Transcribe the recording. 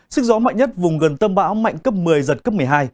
sức gió mạnh nhất vùng gần tâm bão mạnh cấp một mươi giật cấp một mươi hai